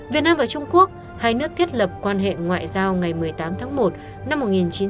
việt nam và trung quốc hai nước thiết lập quan hệ ngoại giao ngày một mươi tám tháng một năm một nghìn chín trăm bảy mươi năm